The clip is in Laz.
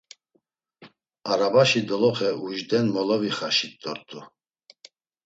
Arabaşi doloxe ujden molovixaşit dort̆u.